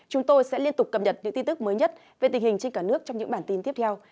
chúng tôi sẽ liên tục cập nhật những tin tức mới nhất về tình hình trên cả nước trong những bản tin tiếp theo